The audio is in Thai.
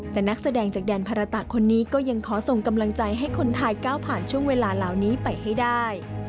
แต่นักแสดงจากแดนภาระตะคนนี้ก็ยังขอส่งกำลังใจให้คนไทยก้าวผ่านช่วงเวลาเหล่านี้ไปให้ได้